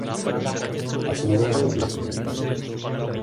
A co nové volby?